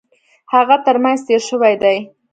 هغه ترمېنځ تېر شوی دی.